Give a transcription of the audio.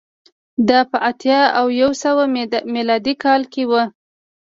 دا په اتیا او یو سوه میلادي کال کې و